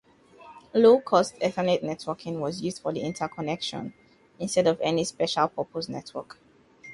Low-cost Ethernet networking was used for interconnection instead of any special-purpose network.